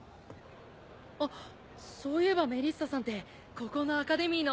あっそういえばメリッサさんってここのアカデミーの。